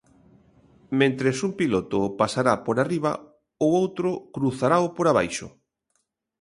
Mentres un piloto o pasará por arriba, o outro cruzarao por abaixo.